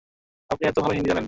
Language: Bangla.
আপনি এতো ভালো হিন্দি জানেন।